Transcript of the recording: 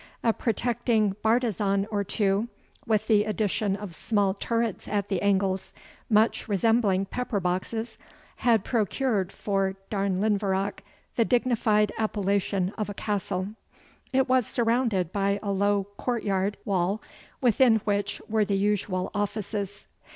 A protecting bartizan or two, with the addition of small turrets at the angles, much resembling pepper boxes, had procured for Darnlinvarach the dignified appellation of a castle. It was surrounded by a low court yard wall, within which were the usual offices.